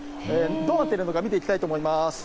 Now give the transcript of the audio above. どうなっているのか、見ていきたいと思います。